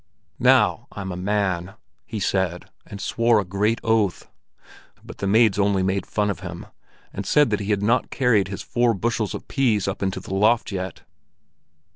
"Now I'm a man!" he said, and swore a great oath; but the maids only made fun of him, and said that he had not carried his four bushels of peas up into the loft yet.